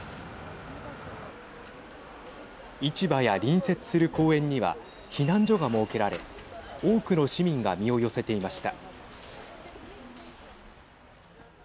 市場や隣接する公園には避難所が設けられ、多くの市民が身を寄せていました。